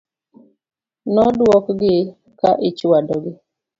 Nodwok gi ka ichwado gi .